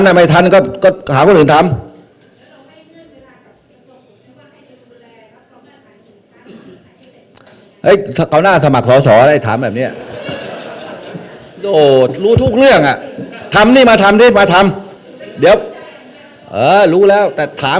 ถำนี่มานี่มาถำเดี๋ยวเอ้อรู้แล้วแต่ถำ